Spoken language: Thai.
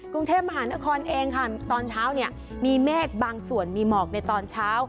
กรุงเทพมหานครเองค่ะตอนเช้าเนี่ยมีเมฆบางส่วนมีหมอกในตอนเช้า